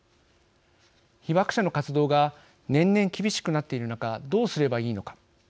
被爆者の活動が年々厳しくなっている中どうすればいいのか。